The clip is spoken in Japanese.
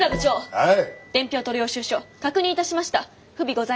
はい。